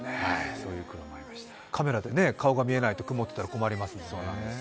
カメラで顔が見えないと曇っていたら困りますもんね。